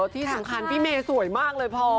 ที่สำคัญพี่เมย์สวยมากเลยพอ